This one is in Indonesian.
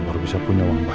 baru bisa punya uang banyak